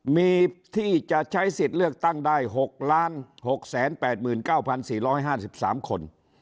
มีที่จะใช้สิทธิ์เลือกตั้งได้๖๖๘๙๔๕๓คน